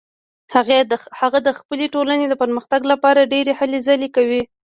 هغه د خپلې ټولنې د پرمختګ لپاره ډیرې هلې ځلې کوي